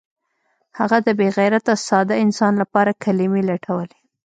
هغه د بې غیرته ساده انسان لپاره کلمې لټولې